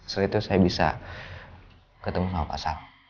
setelah itu saya bisa ketemu sama pak sal